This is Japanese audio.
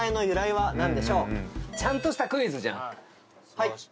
はい。